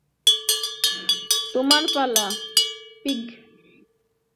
তোমার পালা, পিগ।